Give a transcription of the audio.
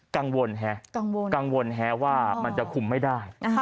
กังวลแฮะว่ามันจะคุมไม่ได้